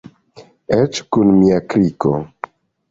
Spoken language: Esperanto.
Eĉ kun mia kriko.